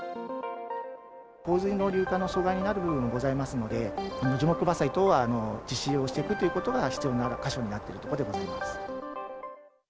洪水の流下の素材になる部分もございますので、樹木伐採等を実施をしていくということが必要な箇所になっているところでございます。